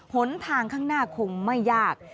หนทางข้างหน้าคงไม่ยาก